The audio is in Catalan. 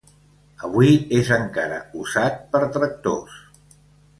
Avui és encara usat per tractors.